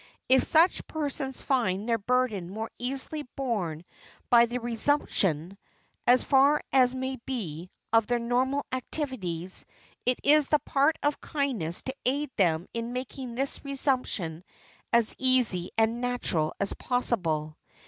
If such persons find their burden more easily borne by the resumption, as far as may be, of their normal activities, it is the part of kindness to aid them in making this resumption as easy and natural as possible.